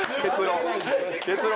結論。